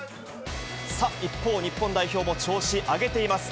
一方、日本代表も調子上げています。